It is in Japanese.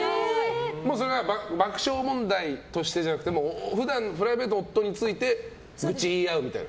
爆笑問題としてじゃなくて普段のプライベートの夫について愚痴りあうみたいな？